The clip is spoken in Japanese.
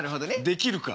できるか。